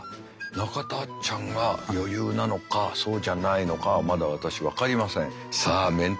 中田あっちゃんが余裕なのかそうじゃないのかはまだ私分かりません。